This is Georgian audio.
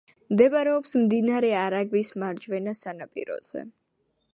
მდებარეობს მდინარე არაგვის მარჯვენა სანაპიროზე.